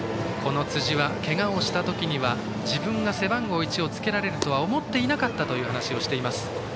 辻はけがをした時には自分が背番号１をつけられるとは思っていなかったという話をしています。